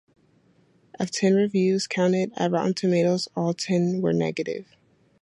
Of ten reviews counted at Rotten Tomatoes, all ten are negative.